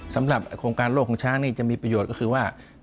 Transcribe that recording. สำหรับโครงการโลกของช้างนี่จะมีประโยชน์ก็คือว่า